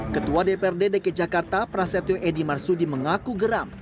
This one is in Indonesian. ketua dprd deket jakarta prasetyo edy marsudi mengaku geram